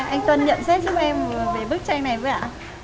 anh tuân nhận xét giúp em về bức tranh này với ạ